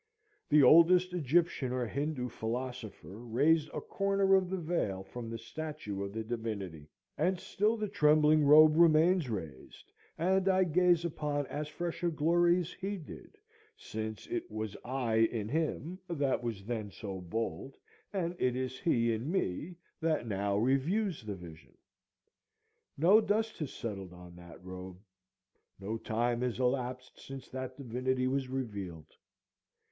The oldest Egyptian or Hindoo philosopher raised a corner of the veil from the statue of the divinity; and still the trembling robe remains raised, and I gaze upon as fresh a glory as he did, since it was I in him that was then so bold, and it is he in me that now reviews the vision. No dust has settled on that robe; no time has elapsed since that divinity was revealed.